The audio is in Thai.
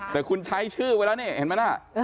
แต่คุณใช้ชื่อไว้แล้วนี่เห็นไหมล่ะ